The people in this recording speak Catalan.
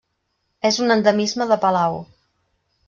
És un endemisme de Palau.